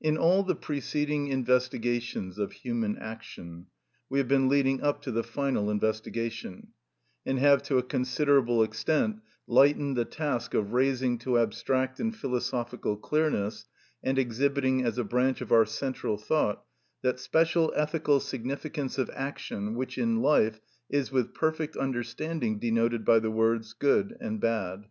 In all the preceding investigations of human action, we have been leading up to the final investigation, and have to a considerable extent lightened the task of raising to abstract and philosophical clearness, and exhibiting as a branch of our central thought that special ethical significance of action which in life is with perfect understanding denoted by the words good and bad.